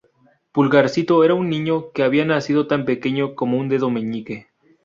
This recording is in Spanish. Pulgarcito era un niño que había nacido tan pequeño como un dedo meñique.